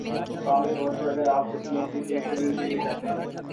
مثال کے طور پر اگر آپ کسی نوکری کے انٹرویو کے لیے جاتے ہیں